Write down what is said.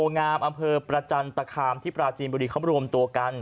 งามอำเภอประจันตคามที่ปราจีนบุรีเขารวมตัวกัน